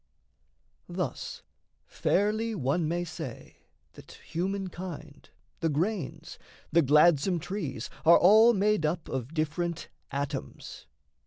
Thus fairly one may say that humankind, The grains, the gladsome trees, are all made up Of different atoms.